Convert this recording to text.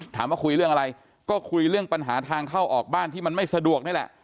ถามว่าคุยเรื่องอะไรก็คุยเรื่องปัญหาทางเข้าออกบ้านที่มันไม่สะดวกนี่แหละ